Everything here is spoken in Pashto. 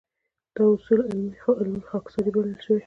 دا اصول علمي خاکساري بللی شو.